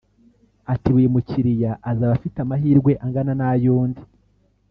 Ati “Buri mukiliya azaba afite amahirwe angana n’ayundi